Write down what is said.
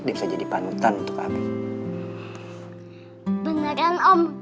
beneran om kita saudaraan